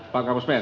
pak kapus pen